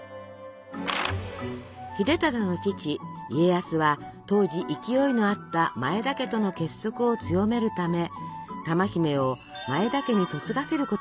秀忠の父家康は当時勢いのあった前田家との結束を強めるため珠姫を前田家に嫁がせることにしたのです。